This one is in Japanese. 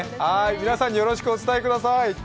皆さんによろしくお伝えください。